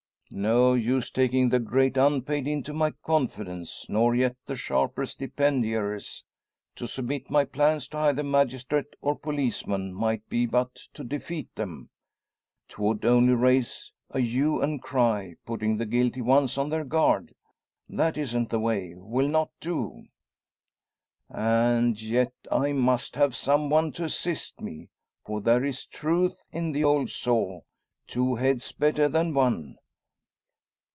"No use taking the `great unpaid' into my confidence, nor yet the sharper stipendiaries. To submit my plans to either magistrate or policeman might be but to defeat them. 'Twould only raise a hue and cry, putting the guilty ones on their guard. That isn't the way will not do! "And yet I must have some one to assist me. For there is truth in the old saw `Two heads better than one.'